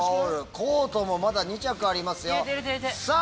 コートもまだ２着ありますよ。